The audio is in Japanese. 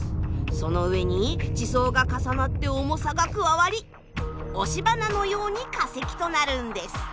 その上に地層が重なって重さが加わり押し花のように化石となるんです。